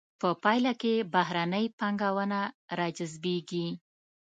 په پایله کې بهرنۍ پانګونه را جذبیږي.